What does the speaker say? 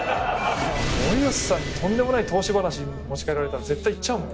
森保さんにとんでもない投資話持ち掛けられたら絶対いっちゃうもん。